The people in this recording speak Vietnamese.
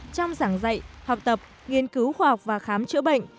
trong giảng dạy học tập nghiên cứu khoa học và khám chữa bệnh